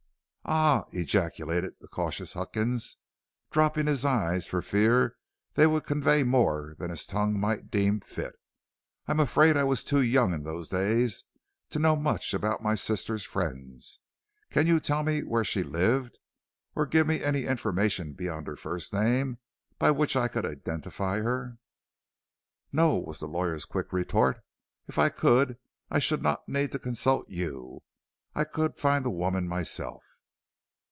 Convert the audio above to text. "Ah!" ejaculated the cautious Huckins, dropping his eyes for fear they would convey more than his tongue might deem fit. "I'm afraid I was too young in those days to know much about my sister's friends. Can you tell me where she lived, or give me any information beyond her first name by which I could identify her?" "No," was the lawyer's quick retort; "if I could I should not need to consult you; I could find the woman myself."